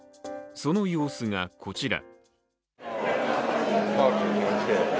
その様子がこちら。